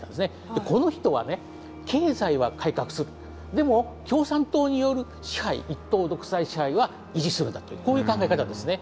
でも共産党による支配一党独裁支配は維持するんだというこういう考え方ですね。